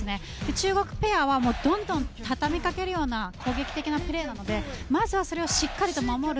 中国ペアはどんどんたたみかけるような攻撃的なプレーなのでまずはそれをしっかり守る。